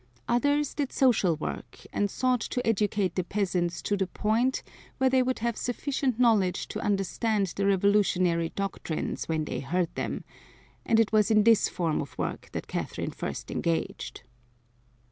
Others did social work, and sought to educate the peasants to the point where they would have sufficient knowledge to understand the revolutionary doctrines when they heard them and it was in this form of work that Catherine first engaged.